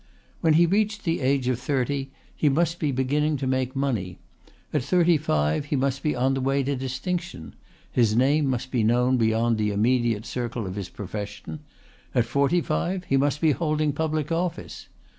When he reached the age of thirty he must be beginning to make money; at thirty five he must be on the way to distinction his name must be known beyond the immediate circle of his profession; at forty five he must be holding public office.